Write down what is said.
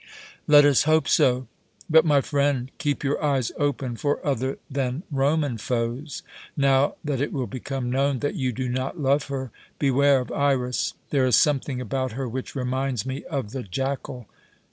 "Let us hope so. But, my friend, keep your eyes open for other than Roman foes. Now that it will become known that you do not love her, beware of Iras. There is something about her which reminds me of the jackal.